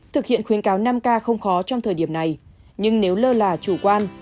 thực hiện khuyến cáo năm k không khó trong thời điểm này nhưng nếu lơ là chủ quan